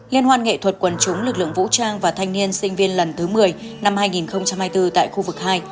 liên hoan nghệ thuật quần chúng lực lượng vũ trang và thanh niên sinh viên lần thứ một mươi năm hai nghìn hai mươi bốn tại khu vực hai